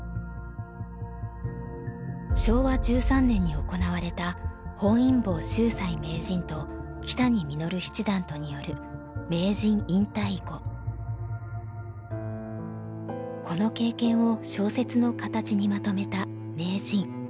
昭和１３年に行われた本因坊秀哉名人と木谷實七段とによるこの経験を小説の形にまとめた「名人」。